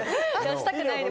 したくないんで。